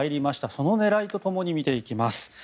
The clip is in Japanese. その狙いとともに見ていきます。